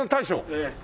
ええ。